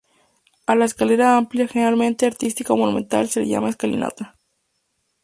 A la escalera amplia, generalmente artística o monumental, se la llama escalinata.